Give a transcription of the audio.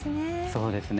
そうですね。